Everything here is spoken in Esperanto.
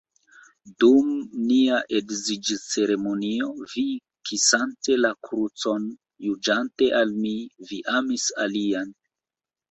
Dum nia edziĝceremonio vi, kisante la krucon, ĵurante al mi, vi amis alian.